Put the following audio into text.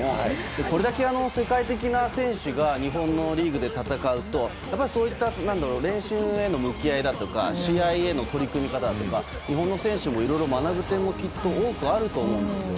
これだけ世界的な選手が日本のリーグで戦うと練習への向き合いだとか試合への取り組み方とか日本の選手もいろいろ学ぶ点もきっと多くあると思うんですよ。